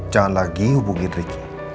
jangan lagi hubungi ricky